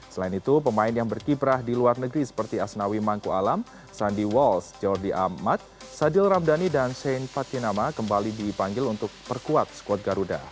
selain itu pemain yang berkiprah di luar negeri seperti asnawi mangku alam sandi wals jordi ahmad sadil ramdhani dan shane fatinama kembali dipanggil untuk perkuat skuad garuda